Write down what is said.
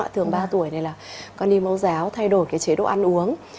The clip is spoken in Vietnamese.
thường ba tuổi này là con đi mẫu giáo thay đổi cái chế độ ăn uống